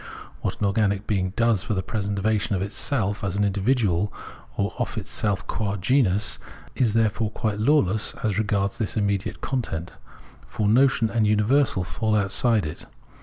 What an organic being does for the preservation of itself as an individual, or of itself qua genus, is, therefore, quite lawless as regards this immediate content : for notion and universal fall outside it.